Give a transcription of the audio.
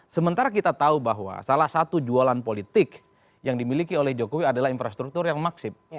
sementara kita tahu bahwa salah satu jualan politik yang dimiliki oleh jokowi adalah infrastruktur yang maksib